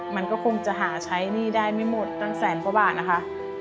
มันก็คงจะหาใช้หนี้ได้ไม่หมดตั้งแสนกว่าบาทนะคะ